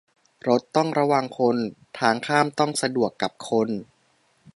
รถต้องระวังคน ทางข้ามต้องสะดวกกับคน